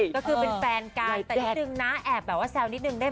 ก็คือเป็นแฟนการะและแต่ชุดน้อย